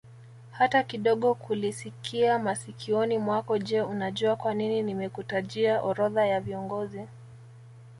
hata kidogokulisikia masikioni mwako Je unajua kwanini nimekutajia orodha ya viongozi